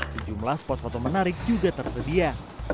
sejumlah spot foto menarik juga tersedia